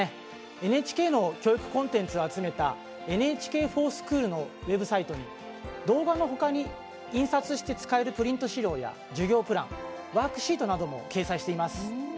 ＮＨＫの教育コンテンツを集めた「ＮＨＫｆｏｒＳｃｈｏｏｌ」のウェブサイトに、動画のほかに印刷して使えるプリント資料や授業プラン、ワークシートなども掲載しています。